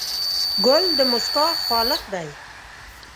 ګل د موسکا خالق دی.